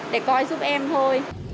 để coi giúp em thôi